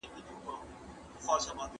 وېره په اوسني وخت کې د خطر غبرګون دی.